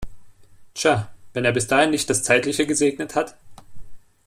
Tja, wenn er bis dahin nicht das Zeitliche gesegnet hat!